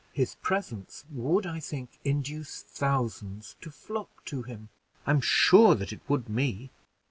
His presence would, I think, induce thousands to flock to him; I'm sure that it would me."